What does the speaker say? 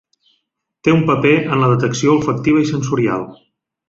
Té un paper en la detecció olfactiva i sensorial.